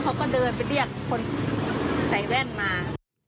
มันทุเรียนมา